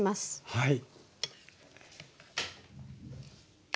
はい。